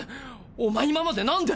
お前今までなんで。